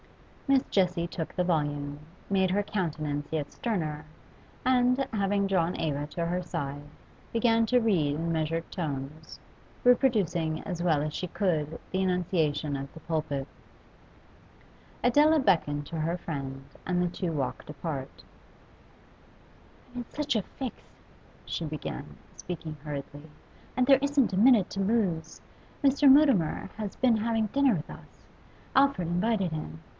Miss Jessie took the volume, made her countenance yet sterner, and, having drawn Eva to her side, began to read in measured tones, reproducing as well as she could the enunciation of the pulpit. Adela beckoned to her friend, and the two walked apart. 'I'm in such a fix,' she began, speaking hurriedly, 'and there isn't a minute to lose. Mr. Mutimer has been having dinner with us; Alfred invited him.